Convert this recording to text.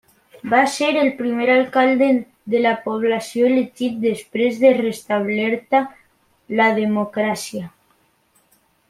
Va ser el primer alcalde de la població elegit després de restablerta la democràcia.